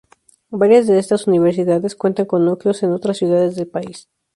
Varias de estas universidades cuentan con núcleos en otras ciudades del país.